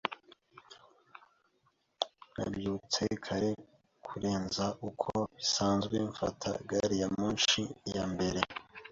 Nabyutse kare kurenza uko bisanzwe mfata gari ya moshi ya mbere.